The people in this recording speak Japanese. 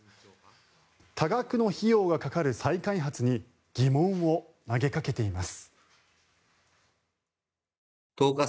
多額の費用がかかる再開発に疑問を投げかけています。